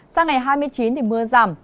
sao ngày hai mươi chín thì mưa giảm